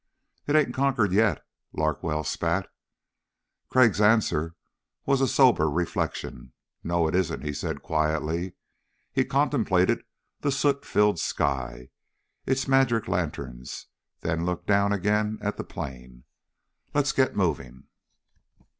"It ain't conquered yet," Larkwell spat. Crag's answer was a sober reflection. "No, it isn't," he said quietly. He contemplated the soot filled sky, its magic lanterns, then looked down again at the plain. "Let's get moving."